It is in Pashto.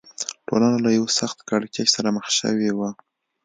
ټولنه له یوه سخت کړکېچ سره مخ شوې وه.